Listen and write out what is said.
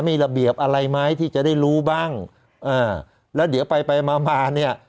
มีระเบียบอะไรไหมที่จะได้รู้บ้างอ่าแล้วเดี๋ยวไปไปมามาเนี่ย